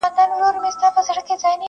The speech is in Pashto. چي لیدلی مي په کومه ورځ کابل دی،